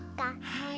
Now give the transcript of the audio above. はい。